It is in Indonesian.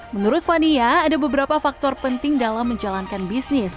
menurut fania ada beberapa faktor penting dalam menjalankan bisnis